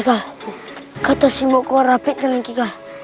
kakak mau ke sekolah rapi dan lagi kak